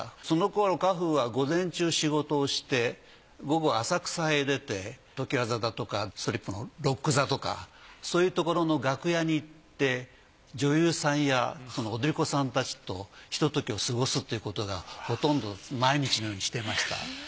そのころ荷風は午前中仕事をして午後浅草へ出て常盤座だとかストリップのロック座とかそういうところの楽屋に行って女優さんや踊り子さんたちとひと時を過ごすっていうことがほとんど毎日のようにしてました。